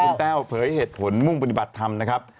คุณแต้วเผยเหตุผลมุ่งปฏิบัติธรรมนะครับ